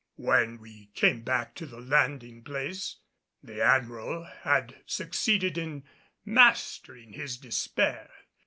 When we came back to the landing place the Admiral had succeeded in mastering his despair.